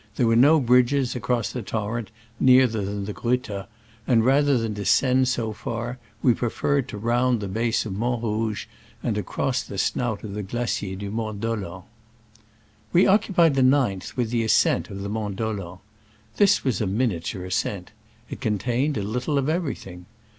There were no bridges across the torrent nearer than Gruetta, and rather than descend so far we pre ferred to round the base of Mont Rouge and to cross the snout of the Glacier du Mont Dolent. We occupied the 9th with the ascent of the Mont Dolent. This was a minia ture ascent. It contained a little of everything.